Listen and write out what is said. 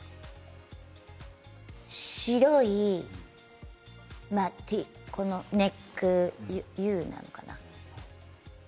白いＵネックなのかな